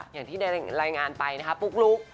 อย่างที่ได้รายงานไปนะคะปุ๊กลุ๊ก